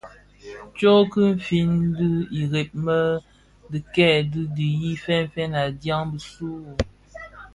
Tsok ki fin dhi ireb më tidhëk bidhi fènfèn a dyaň bisu u.